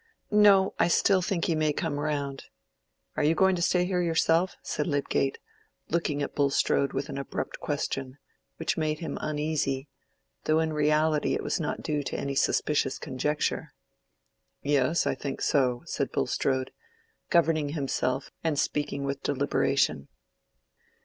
"No; I still think he may come round. Are you going to stay here yourself?" said Lydgate, looking at Bulstrode with an abrupt question, which made him uneasy, though in reality it was not due to any suspicious conjecture. "Yes, I think so," said Bulstrode, governing himself and speaking with deliberation.